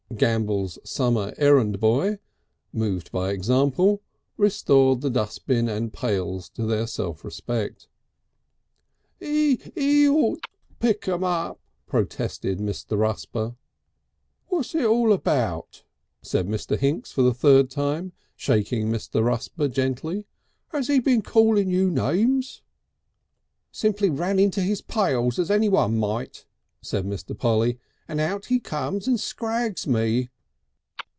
Gambell's summer errand boy, moved by example, restored the dustbin and pails to their self respect. "'E ought 'e ought (kik) pick them up," protested Mr. Rusper. "What's it all about?" said Mr. Hinks for the third time, shaking Mr. Rusper gently. "As 'e been calling you names?" "Simply ran into his pails as anyone might," said Mr. Polly, "and out he comes and scrags me!"